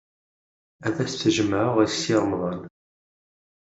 Ad as-t-jemɛeɣ i Si Remḍan.